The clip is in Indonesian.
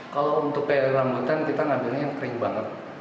kalau untuk kayu rambutan kita ambilnya yang kering banget